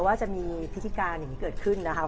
ว่าจะมีพิธภิการใหม่เกิดขึ้นนะคะ